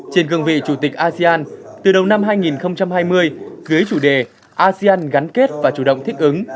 trên cương vị chủ tịch asean từ đầu năm hai nghìn hai mươi dưới chủ đề asean gắn kết và chủ động thích ứng